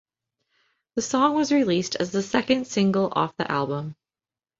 The song was released as the second single off the album.